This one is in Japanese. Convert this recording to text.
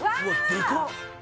でかっ！